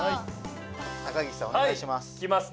高岸さんおねがいします。